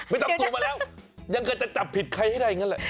ไม่ต้องสู้มาแล้วยังก็จะจับผิดใครให้ได้อย่างนั้นแหละ